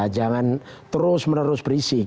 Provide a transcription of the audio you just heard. jangan terus menerus berisik